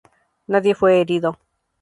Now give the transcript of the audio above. Nadie fue herido.